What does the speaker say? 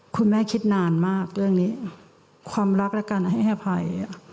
คุณแม่คิดนานมากเรื่องนี้ความรักและการให้อภัย